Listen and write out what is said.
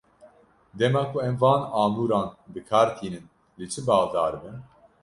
Dema ku em van amûran bi kar tînin, li çi baldar bin?